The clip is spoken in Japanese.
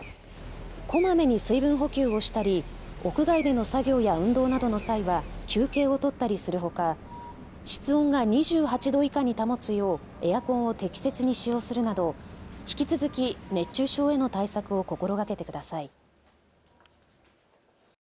こまめに水分補給をしたり屋外での作業や運動などの際は休憩を取ったりするほか室温が２８度以下に保つようエアコンを適切に使用するなど引き続き熱中症への対策を心がけてください。